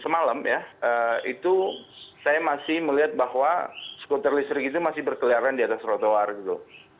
semalam ya itu saya masih melihat bahwa skuter listrik itu masih berkeliaran di atas trotoar gitu